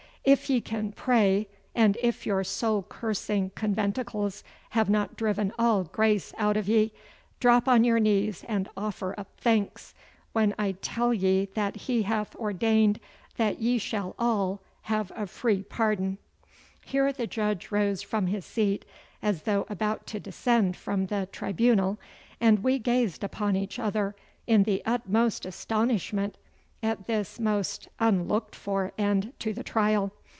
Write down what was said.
If ye can indeed pray, and if your soul cursing conventicles have not driven all grace out of ye, drop on your knees and offer up thanks when I tell ye that he hath ordained that ye shall all have a free pardon.' Here the Judge rose from his seat as though about to descend from the tribunal, and we gazed upon each other in the utmost astonishment at this most unlooked for end to the trial.